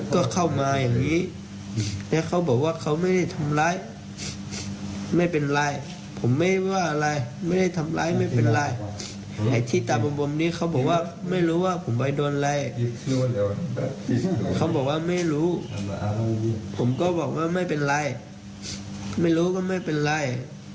พ่อเพลงบอกว่าเขาไม่รู้ผมก็บอกว่าไม่เป็นไรไม่รู้ก็ไม่เป็นไร